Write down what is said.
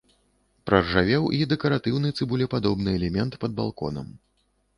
Праржавеў і дэкаратыўны цыбулепадобны элемент пад балконам.